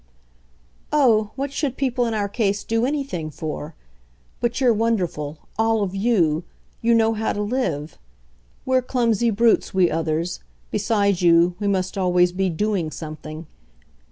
"Oh, what should people in our case do anything for? But you're wonderful, all of YOU you know how to live. We're clumsy brutes, we other's, beside you we must always be 'doing' something.